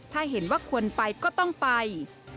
ถ้าเห็นว่าควรไปก็ต้องไป